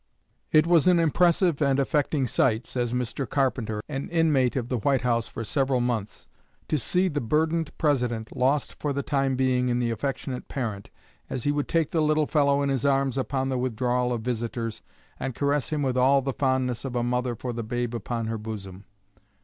"It was an impressive and affecting sight," says Mr. Carpenter, an inmate of the White House for several months, "to see the burdened President lost for the time being in the affectionate parent, as he would take the little fellow in his arms upon the withdrawal of visitors, and caress him with all the fondness of a mother for the babe upon her bosom."